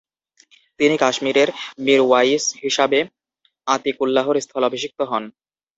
তিনি কাশ্মীরের মিরওয়াইস হিসাবে আতিকুল্লাহর স্থলাভিষিক্ত হন।